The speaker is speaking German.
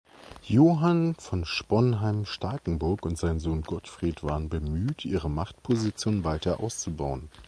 Johann von Sponheim-Starkenburg und sein Sohn Gottfried waren bemüht ihre Machtposition weiter auszubauen.